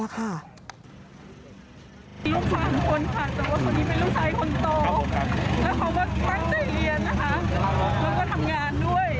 ลูกความขนผ่านแต่ว่าคนนี้เป็นลูกชายคนโต